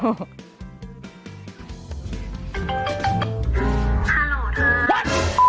ฮัลโหลท่าน